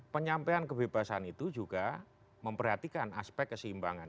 penyampaian kebebasan itu juga memperhatikan aspek keseimbangan